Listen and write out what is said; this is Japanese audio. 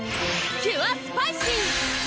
キュアスパイシー！